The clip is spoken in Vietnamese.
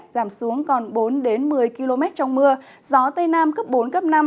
giảm xuống còn bốn một mươi km trong mưa gió tây nam cấp bốn năm